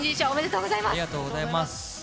ありがとうございます。